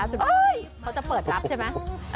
คุณจะเปิดลบใช่มั้ย